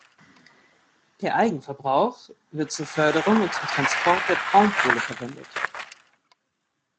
Der Eigenverbrauch wird zur Förderung und zum Transport der Braunkohle verwendet.